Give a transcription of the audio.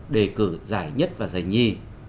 đề cử giải nhất và giải nhi